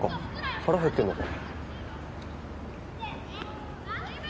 腹減ってんのか？